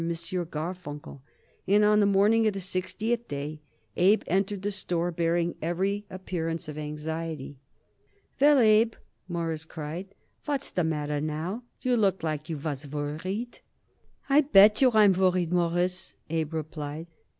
Garfunkel, and on the morning of the sixtieth day Abe entered the store bearing every appearance of anxiety. "Well, Abe," Morris cried, "what's the matter now? You look like you was worried." "I bet yer I'm worried, Mawruss," Abe replied.